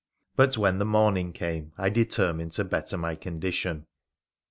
But when the morning came I determined to better my condition.